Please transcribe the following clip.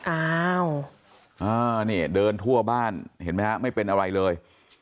อ้าวนี่เดินทั่วบ้านเห็นไหมฮะไม่เป็นอะไรเลย